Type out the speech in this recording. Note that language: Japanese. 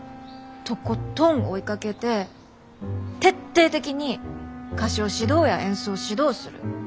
とことん追いかけて徹底的に歌唱指導や演奏指導する。